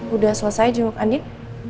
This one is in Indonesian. udah selesai jumlah andin